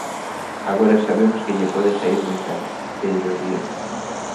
Agora sabemos que lle pode saír moi caro, Pedro Rielo...